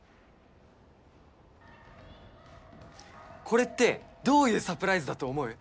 これってどういうサプライズだと思う？